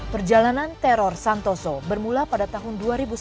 perjalanan teror santoso bermula pada tahun dua ribu sepuluh